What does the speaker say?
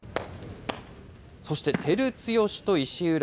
そして照強と石浦。